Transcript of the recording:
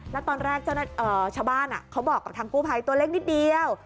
แล้วตอนแรกชาวบ้านเขาบอกกับทางกู้ภัยตัวเล็กนิดเดียว